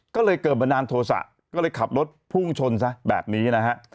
ก็เลยเกิดบันดาลโทษะก็เลยขับรถพุ่งชนซะแบบนี้นะฮะ